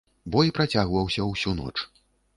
Бой працягваўся ўсю ноч.